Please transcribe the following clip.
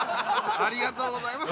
ありがとうございます。